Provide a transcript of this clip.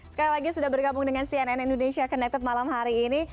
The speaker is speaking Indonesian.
sekali lagi sudah bergabung dengan cnn indonesia connected malam hari ini